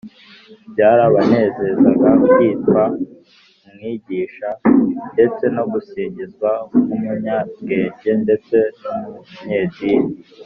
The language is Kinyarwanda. byarabanezezaga kwitwa “umwigisha,” ndetse no gusingizwa nk’umunyabwenge ndetse n’umunyedini,